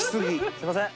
すいません。